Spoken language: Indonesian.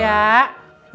iya pak tuhari